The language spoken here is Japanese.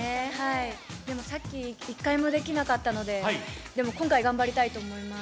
でも、さっき１回もできなかったので、でも、今回頑張りたいと思います。